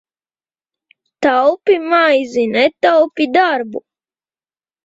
Taupi maizi, netaupi darbu!